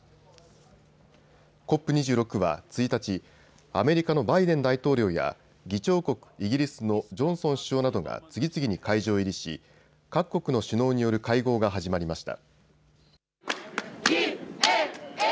ＣＯＰ２６は１日、アメリカのバイデン大統領や議長国イギリスのジョンソン首相などが次々に会場入りし各国の首脳による会合が始まりました。